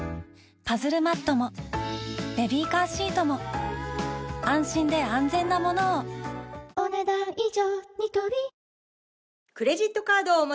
パズルマットもベビーカーシートも安心で安全なものをお、ねだん以上。